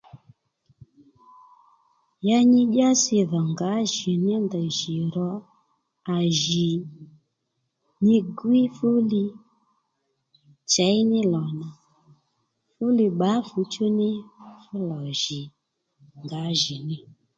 Ya nyi dyási dhò ngǎjìní ndèy jì ro à jì nyi gwíy fúli chěy ní lò nà fúli bbǎ fǔchú nì lò jì ngǎjìní